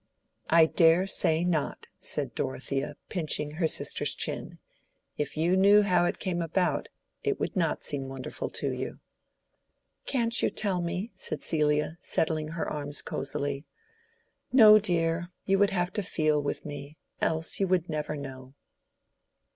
"I dare say not," said Dorothea, pinching her sister's chin. "If you knew how it came about, it would not seem wonderful to you." "Can't you tell me?" said Celia, settling her arms cozily. "No, dear, you would have to feel with me, else you would never know."